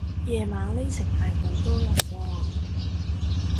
夜晚呢程係好多人喎